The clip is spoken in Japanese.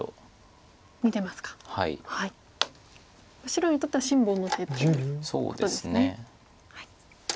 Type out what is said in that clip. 白にとっては辛抱の成果ということですね。